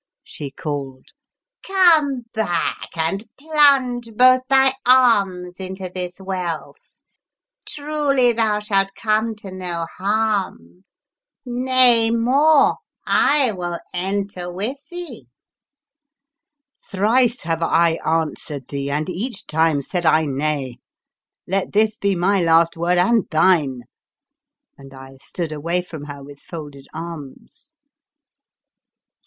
" she called. " Come back and plunge both thy arms into this wealth ; truly thou shalt come to no harm — nay more, I will enter with thee!" " Thrice have I answered thee, and each time said I nay ; let this be my last word and thine!" and I stood away from her with folded arms.